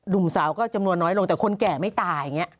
ุ่มสาวก็จำนวนน้อยลงแต่คนแก่ไม่ตายอย่างนี้